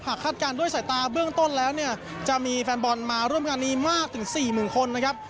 คาดการณ์ด้วยสายตาเบื้องต้นแล้วเนี่ยจะมีแฟนบอลมาร่วมงานนี้มากถึง๔๐๐๐คนนะครับ